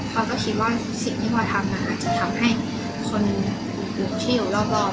พอก็คิดว่าสิ่งที่พอทำมันอาจจะทำให้คนที่อยู่รอบ